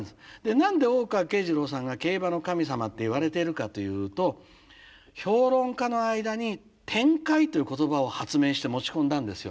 何で大川慶次郎さんが競馬の神様っていわれているかというと評論家の間に「展開」という言葉を発明して持ち込んだんですよ。